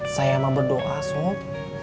saya mau berdoa sob